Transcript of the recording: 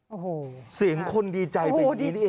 โอ้โหเสียงคนดีใจเป็นอย่างนี้นี่เอง